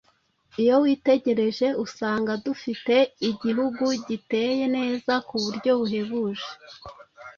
Iyo witegereje, usanga dufite Igihugu giteye neza ku buryo buhebuje.